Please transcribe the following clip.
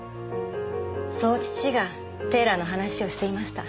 そう父がテーラーの話をしていました。